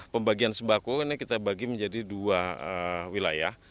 pembagian sembako ini kita bagi menjadi dua wilayah